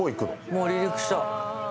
もう離陸した。